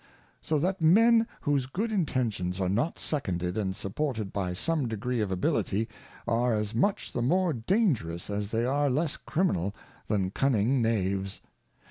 So that men whose good Intentions are not seconded and supported by some degree of Ability, are as much the more dangerous, as they are less criminal than Cunning Knaves.